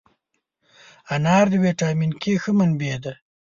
انار د ویټامین K ښه منبع ده.